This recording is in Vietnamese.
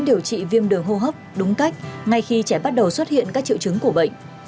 điều trị viêm đường hô hấp đúng cách ngay khi trẻ bắt đầu xuất hiện các triệu chứng của bệnh